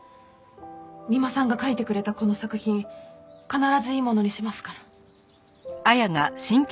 三馬さんが書いてくれたこの作品必ずいいものにしますから。